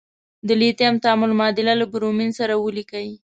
د لیتیم تعامل معادله له برومین سره ولیکئ.